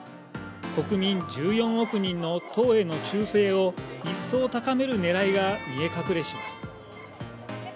国民１４億人の党への忠誠を一層、高めるねらいが見え隠れします。